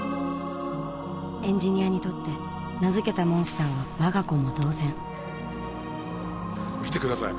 エンジニアにとって名付けたモンスターは我が子も同然見て下さい。